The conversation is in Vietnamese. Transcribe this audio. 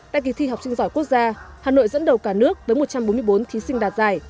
tại kỳ thi học sinh giỏi quốc gia hà nội dẫn đầu cả nước với một trăm bốn mươi bốn thí sinh đạt giải